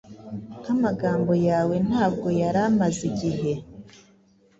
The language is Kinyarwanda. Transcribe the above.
nkamagambo yawentabwo yari amaze igihe